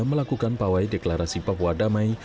melakukan pawai deklarasi papua damai